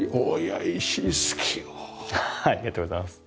ありがとうございます。